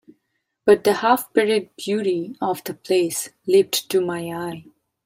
But the half-buried beauty of the place leaped to my eye.